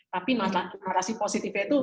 tapi narasi positifnya itu